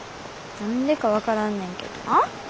何でか分からんねんけどな。